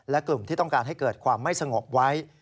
และกลุ่มที่ต้องการให้เกิดความไม่สงบไว้